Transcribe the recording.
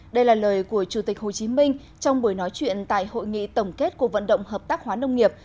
đây là lời của chủ tịch hồ chí minh trong buổi nói chuyện tại hội nghị tổng kết cuộc vận động hợp tác hóa nông nghiệp